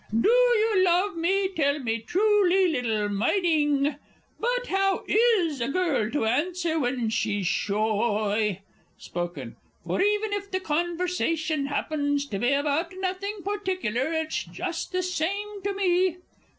Do you love me? Tell me truly, little myding!" But how is a girl to answer when she's shoy? Spoken For even if the conversation happens to be about nothing particular, it's just the same to me.